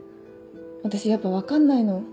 私やっぱ分かんないの。